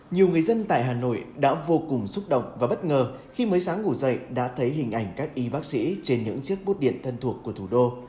nhiều người dân tại hà nội đã vô cùng xúc động và bất ngờ khi mới sáng ngủ dậy đã thấy hình ảnh các y bác sĩ trên những chiếc bút điện thân thuộc của thủ đô